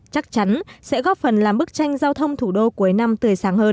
chắc chắn sẽ góp phần làm bức tranh giao thông thủ đô cuối năm tươi sáng hơn